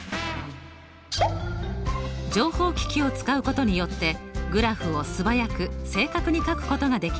情報機器を使うことによってグラフを素早く正確にかくことができます。